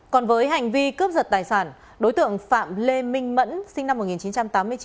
còn với hành vi cướp giật tài sản đối tượng phạm lê minh mẫn sinh năm một nghìn chín trăm tám mươi chín